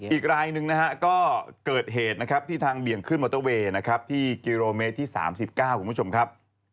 อีกรายหนึ่งก็เกิดเหตุที่ทางเหลี่ยงขึ้นบอเตอร์เวย์ที่กิโลเมตรที่๓๙คุณผู้ชมครับ